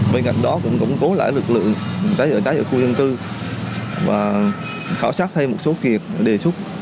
bên cạnh đó cũng cổng cố lại lực lượng cháy chữa cháy ở khu dân cư và khảo sát thay một số kiện đề xuất